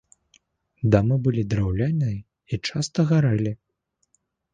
Дамы былі драўляныя і часта гарэлі.